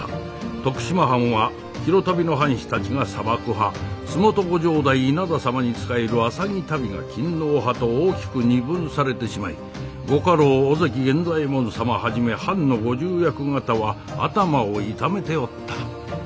徳島藩は白足袋の藩士たちが佐幕派洲本城代稲田様に仕える浅葱足袋が勤皇派と大きく二分されてしまい御家老尾関源左衛門様はじめ藩の御重役方は頭を痛めておった。